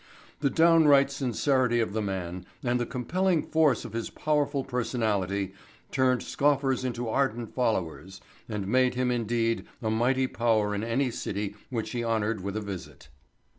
The downright sincerity of the man and the compelling force of his powerful personality turned scoffers into ardent followers and made him indeed a mighty power in any city which he honored with a visit.